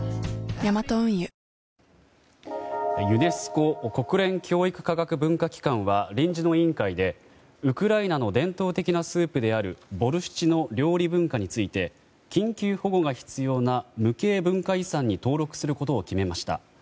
ヤマト運輸ユネスコ・国連教育科学文化機関は臨時の委員会で、ウクライナの伝統的なスープであるボルシチの料理文化について緊急保護が必要な無形文化遺産に登録することを決めました。